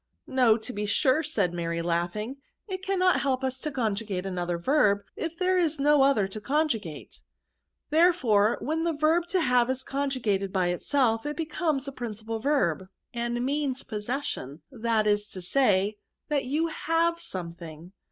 " No, to be sure," said Mary, laughing ;" it cannot help us to conjugate another verb, if there is no other to conjugate." Therefore, when the verb to liave is con jugated by itself, it becomes a principal verb, VERBS. S5S and means possession^ that is to say^ that you have something."